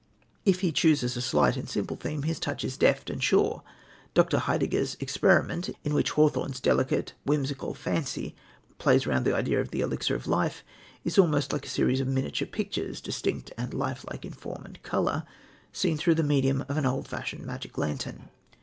If he chooses a slight and simple theme, his touch is deft and sure. Dr. Heidegger's Experiment, in which Hawthorne's delicate, whimsical fancy plays round the idea of the elixir of life, is almost like a series of miniature pictures, distinct and lifelike in form and colour, seen through the medium of an old fashioned magic lantern.